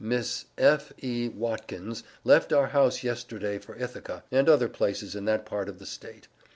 Miss F.E. Watkins left our house yesterday for Ithaca, and other places in that part of the State.